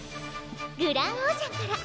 グランオーシャンからえっ？